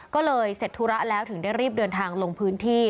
ก็เลยเสร็จธุระแล้วถึงได้รีบเดินทางลงพื้นที่